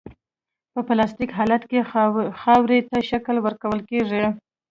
په پلاستیک حالت کې خاورې ته شکل ورکول کیږي